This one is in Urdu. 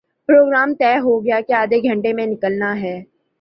پروگرام طے ہو گیا کہ آدھےگھنٹے میں نکلنا ہے